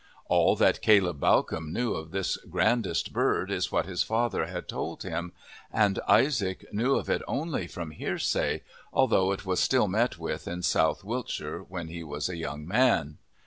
All that Caleb Bawcombe knew of this grandest bird is what his father had told him; and Isaac knew of it only from hearsay, although it was still met with in South Wilts when he was a young man.